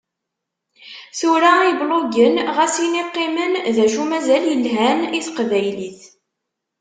Tura iblugen ɣas ini qqimen, d acu mazal lhan i teqbaylit.